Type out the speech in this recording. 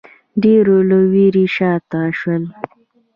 ډېرو له وېرې شا ته شول